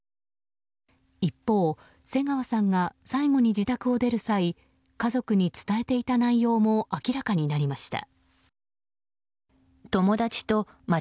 一方、瀬川さんが最後に自宅を出る際家族に伝えていた内容も明らかになりました。